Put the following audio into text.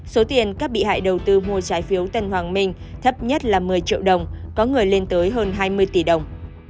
số tiền các bị hại đầu tư mua trái phiếu tân hoàng minh thấp nhất là một mươi triệu đồng có người lên tới hơn hai mươi tỷ đồng